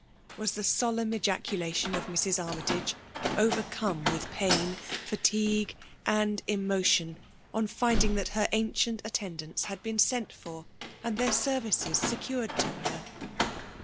was tlie'solemn ejaculation of Mrs. Armytage, bvercome with pain, fatigue, and emotion, on findiDg that her ancient attendants had been sett for, and their services secured to her.